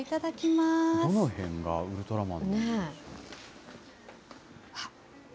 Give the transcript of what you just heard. どのへんがウルトラマン？